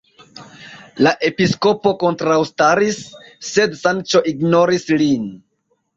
La episkopo kontraŭstaris, sed Sanĉo ignoris lin.